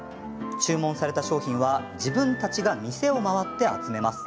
注文された商品は自分たちが店を回って集めます。